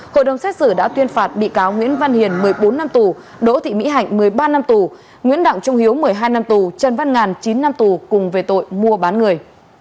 hội đồng xét xử đã tuyên phạt bị cáo nguyễn văn hiền một mươi bốn năm tù đỗ thị mỹ hạnh một mươi ba năm tù nguyễn đặng trung hiếu một mươi hai năm tù trần văn ngàn chín năm tù cùng về tội mua bán người